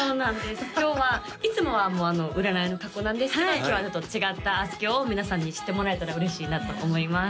今日はいつもはあの占いの格好なんですけど今日はちょっと違ったあすきょうを皆さんに知ってもらえたら嬉しいなと思います